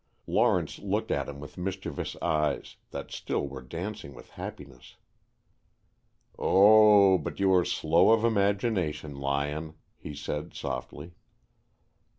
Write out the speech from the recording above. Lawrence looked at him with mischievous eyes, that still were dancing with happiness. "Oh, but you are slow of imagination, Lyon," he said, softly.